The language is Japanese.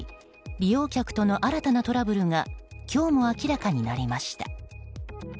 利用客との新たなトラブルが今日も明らかになりました。